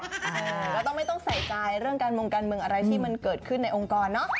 ก็ต้องไม่ต้องใส่ใจเรื่องการมงการเมืองอะไรที่มันเกิดขึ้นในองค์กรเนอะ